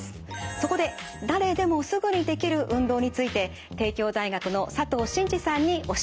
そこで誰でもすぐにできる運動について帝京大学の佐藤真治さんに教えていただきます。